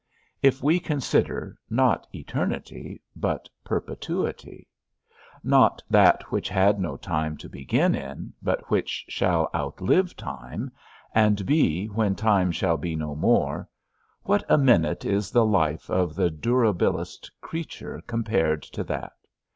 If we consider, not eternity, but perpetuity; not that which had no time to begin in, but which shall outlive time, and be when time shall be no more, what a minute is the life of the durablest creature compared to that!